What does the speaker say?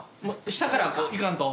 下からこういかんと。